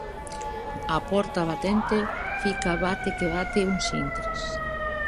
A porta batente fica bate que bate uns intres.